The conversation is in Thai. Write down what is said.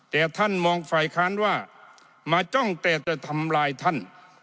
แต่ท่านมองฝ่ายค้านว่ามาจ้องแต่จะทำลายท่าน